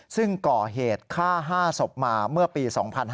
ซึ่งก่อเหตุฆ่า๕ศพมาเมื่อปี๒๕๕๙